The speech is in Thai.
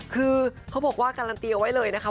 คือเขาบอกว่าการันตีเอาไว้เลยนะคะ